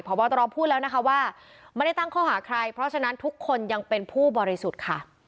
พบตรพูดแล้วนะคะว่าไม่ได้ตั้งข้อหาใครเพราะฉะนั้นทุกคนยังเป็นผู้บริสุทธิ์ค่ะ